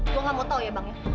gua nggak mau tahu ya bang